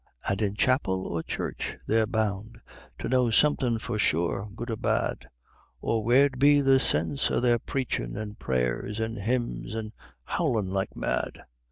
And in chapel or church they're bound to know somethin' for sure, good or bad, Or where'd be the sinse o' their preachin' an' prayers an' hymns an' howlin' like mad?